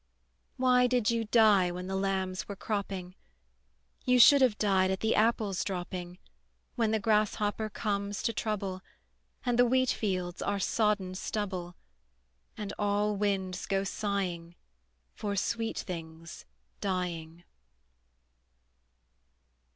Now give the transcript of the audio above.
Why did you die when the lambs were cropping? You should have died at the apples' dropping, When the grasshopper comes to trouble, And the wheat fields are sodden stubble, And all winds go sighing For sweet things dying.